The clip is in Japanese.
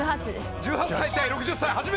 １８歳対６０歳始め！